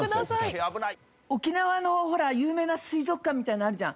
沖縄のほら有名な水族館みたいなのあるじゃん。